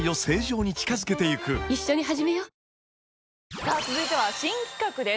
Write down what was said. さあ続いては新企画です。